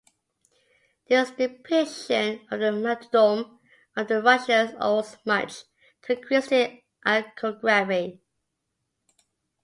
This depiction of the martyrdom of the Russians owes much to Christian iconography.